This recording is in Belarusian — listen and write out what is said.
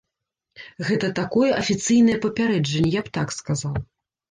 Гэта такое афіцыйнае папярэджанне, я б так сказаў.